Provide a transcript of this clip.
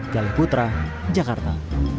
jalil putra jakarta